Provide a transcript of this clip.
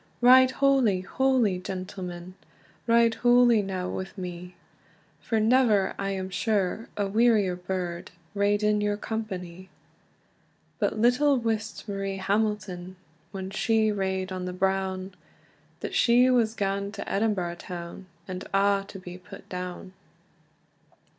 "Ride hooly, hooly, gentlemen, Ride hooly now wi' me! For never, I am sure, a wearier burd Rade in your cumpanie." But little wist Marie Hamilton, When she rade on the brown, That she was ga'en to Edinburgh town, And a' to be put down.